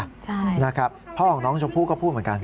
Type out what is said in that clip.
ใช่นะครับพ่อของน้องชมพู่ก็พูดเหมือนกัน